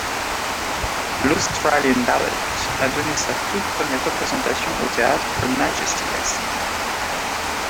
L'Australian Ballet a donné sa toute première représentation au Théâtre Her Majesty à Sydney.